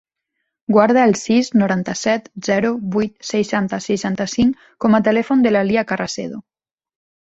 Guarda el sis, noranta-set, zero, vuit, seixanta, seixanta-cinc com a telèfon de la Lya Carracedo.